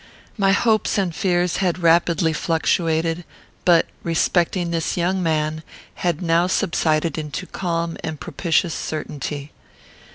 My hopes and fears had rapidly fluctuated; but, respecting this young man, had now subsided into calm and propitious certainty.